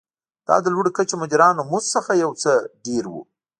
دا د لوړې کچې مدیرانو مزد څخه یو څه ډېر و.